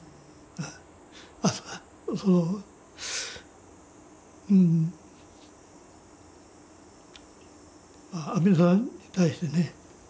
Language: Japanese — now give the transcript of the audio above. あとはそのうん阿弥陀さんに対してね